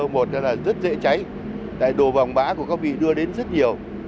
một là rất dễ cháy tại đồ vàng mã của các vị đưa đến rất nhiều